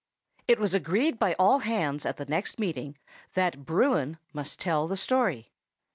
IT was agreed by all hands at the next meeting, that Bruin must tell the story.